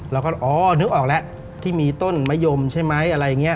เราก็อ๋อนึกออกแล้วที่มีต้นมะยมใช่ไหมอะไรอย่างนี้